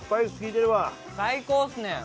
最高ですね。